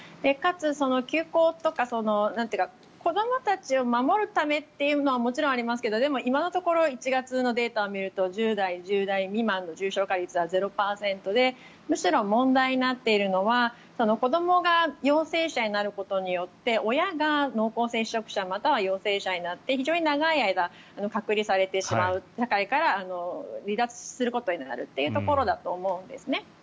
かつ休校とか子どもたちを守るためというのはもちろんありますがでも、今のところ１月のデータを見ると１０代、１０代未満の重症化率は０％でむしろ問題になっているのは子どもが陽性者になることによって親が濃厚接触者または陽性者になって非常に長い間隔離されてしまう社会から離脱することになるというところだと思うんです。